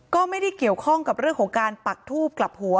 ก็ไม่ได้เกี่ยวข้องกับเรื่องของการปักทูบกลับหัว